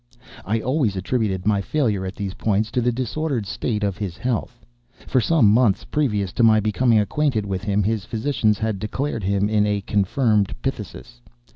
I always attributed my failure at these points to the disordered state of his health. For some months previous to my becoming acquainted with him, his physicians had declared him in a confirmed phthisis.